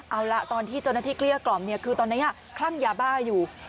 เอาละตอนที่เจ้าหน้าที่เกลี้ยกล่อมเนี่ยคือตอนนี้คลั่งยาบ้าอยู่